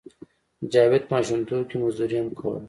جاوید په ماشومتوب کې مزدوري هم کوله